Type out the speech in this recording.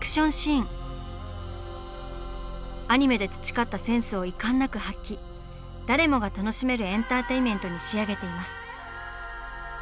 アニメで培ったセンスを遺憾なく発揮誰もが楽しめるエンターテインメントに仕上げています。